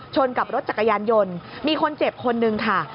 กับรถจักรยานยนต์มีคนเจ็บคนนึงค่ะ